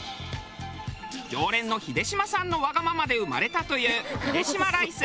常連のヒデシマさんのわがままで生まれたというヒデシマライス。